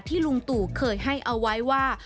ลุงตู่เคยให้เอาไว้ว่า